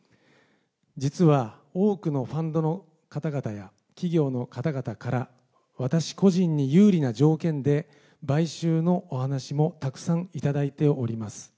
実は、多くのファンドの方々や企業の方々から私個人に有利な条件で買収のお話もたくさん頂いております。